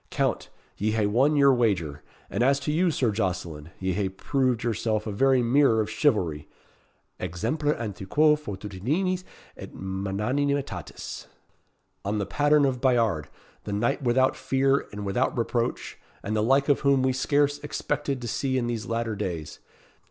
"Count, ye hae won your wager; and as to you, Sir Jocelyn, ye hae proved yourself a very mirror of chivalry exemplar antiquoe fortitudinis et magnanimitatis on the pattern of Bayard, the knight without fear and without reproach, and the like of whom we scarce expected to see in these latter days.